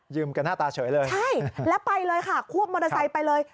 กันหน้าตาเฉยเลยใช่แล้วไปเลยค่ะควบมอเตอร์ไซค์ไปเลย